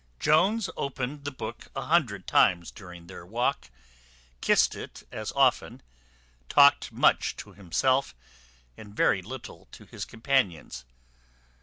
Jones opened the book a hundred times during their walk, kissed it as often, talked much to himself, and very little to his companions.